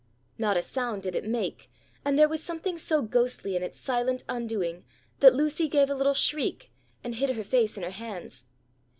Not a sound did it make, and there was something so ghostly in its silent undoing that Lucy gave a little shriek and hid her face in her hands.